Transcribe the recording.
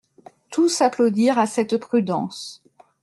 Tous applaudirent à cette prudence.